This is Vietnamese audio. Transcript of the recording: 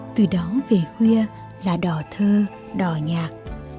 từ đó về khuya là đỏ thơ đỏ nhạc